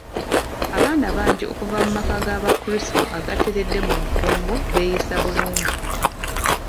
Abaana bangi okuva mu maka ga bakrisito agateredde mu bufumbo beeyisa bulungi.